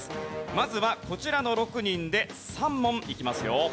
まずはこちらの６人で３問いきますよ。